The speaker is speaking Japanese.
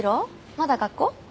まだ学校？